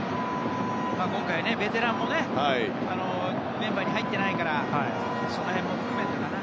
今回、ベテランもメンバーに入ってないからその辺も含めてだな。